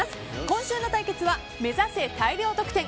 今週の対決は目指せ大量得点！